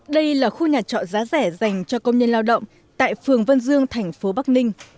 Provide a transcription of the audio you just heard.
đây là khu nhà trọ giá rẻ dành cho công nhân lao động tại phường vân dương thành phố bắc ninh